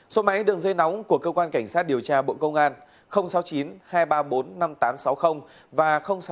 số máy đường dây nóng của cơ quan cảnh sát điều tra bộ công an sáu mươi chín hai trăm ba mươi bốn năm nghìn tám trăm sáu mươi và sáu mươi chín hai trăm ba mươi một một nghìn sáu trăm